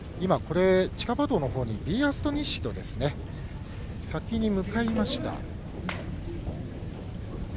地下馬道のほうにビーアストニッシドが向かいました。